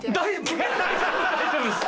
大丈夫です。